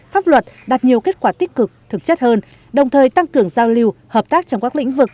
pháp luật đạt nhiều kết quả tích cực thực chất hơn đồng thời tăng cường giao lưu hợp tác trong các lĩnh vực